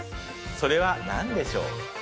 それは何でしょう？